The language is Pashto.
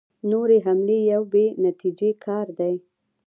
نورې حملې یو بې نتیجې کار دی.